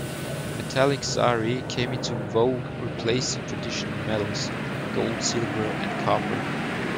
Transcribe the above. Metallic zari came into vogue replacing traditional metals like gold, silver and copper.